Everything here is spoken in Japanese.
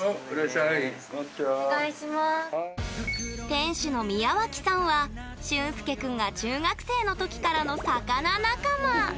店主の宮脇さんはしゅんすけ君が中学生の時からの魚仲間。